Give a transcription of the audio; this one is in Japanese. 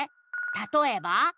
「たとえば？」